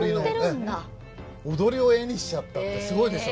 踊りを絵にしちゃったってすごいでしょ。